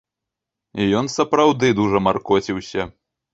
Ён сапраўды дужа маркоціўся.